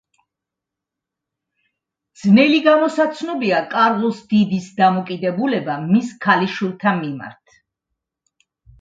ძნელი გამოსაცნობია კარლოს დიდის დამოკიდებულება მის ქალიშვილთა მიმართ.